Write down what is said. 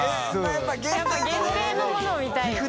やっぱ限定のものを見たい佐藤）